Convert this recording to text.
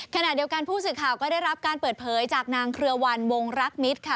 ขณะเดียวกันผู้สื่อข่าวก็ได้รับการเปิดเผยจากนางเครือวันวงรักมิตรค่ะ